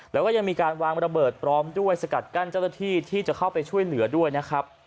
แล้วก็ยังมีการวางระเบิดพร้อมด้วยสกัดกั้นเจ้าหน้าที่ที่จะเข้าไปช่วยเหลือด้วยนะครับ